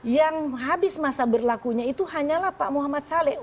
yang habis masa berlakunya itu hanyalah pak muhammad saleh